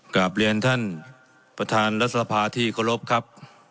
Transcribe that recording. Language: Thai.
กลับเรียนท่านประธานรัฐสภาที่เคารพครับ